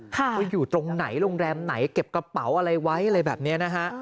ว่าอยู่ตรงไหนโรงแรมไหนเก็บกระเป๋าอะไรไว้อะไรแบบนี้นะฮะ